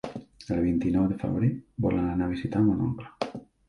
El vint-i-nou de febrer volen anar a visitar mon oncle.